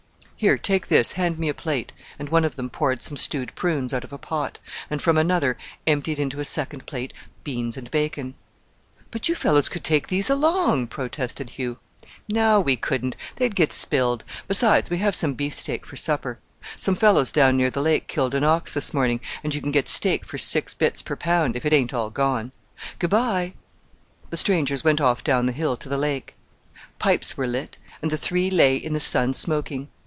"Here, take this, hand me a plate," and one of them poured some stewed prunes out of a pot, and from another emptied into a second plate beans and bacon. "But you fellows could take these along!" protested Hugh. "No, we couldn't; they'd get spilled; besides, we have some beef steak for supper. Some fellows down near the lake killed an ox this morning, and you can get steak for six bits per pound if it ain't all gone. Good bye!" The strangers went off down the hill to the lake. Pipes were lit, and the three lay in the sun smoking.